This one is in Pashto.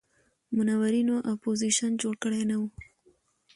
منورینو اپوزیشن جوړ کړی نه وي.